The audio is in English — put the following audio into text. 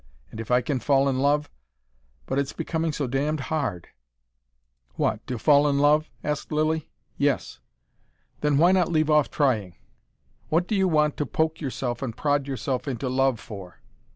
And if I can fall in love But it's becoming so damned hard " "What, to fall in love?" asked Lilly. "Yes." "Then why not leave off trying! What do you want to poke yourself and prod yourself into love, for?"